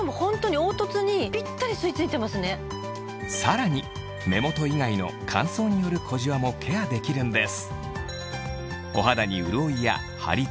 さらに目元以外の乾燥による小じわもケアできるんです